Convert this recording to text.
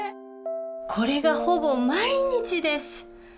これがほぼ毎日です。